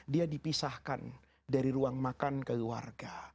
dia dipisahkan dari ruang makan ke luar